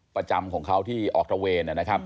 ประจำของเขาที่ออกตะเวณ